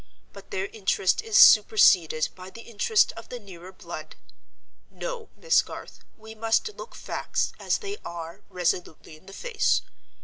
But their interest is superseded by the interest of the nearer blood. No, Miss Garth, we must look facts as they are resolutely in the face.